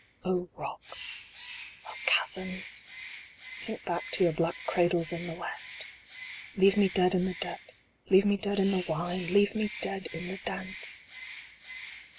O Rocks ! O Chasms ! sink back to your black cradles in the West ! Leave me dead in the depths! Leave me dead in the wine ! Leave me dead in the dance